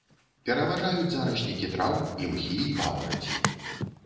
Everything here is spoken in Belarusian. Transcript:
Пераважаюць зараснікі траў, імхі і папараці.